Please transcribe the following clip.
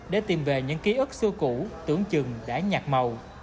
để tìm về những ký ức xưa cũ tưởng chừng đã nhạt màu